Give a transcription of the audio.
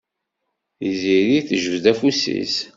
Tiziri tejbed afus-is.